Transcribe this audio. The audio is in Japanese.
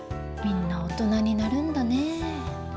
みんな大人になるんだね。